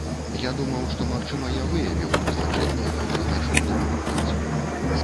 Я думаў, што, магчыма, я выявіў прызначэнне, калі знайшоў добрую працу.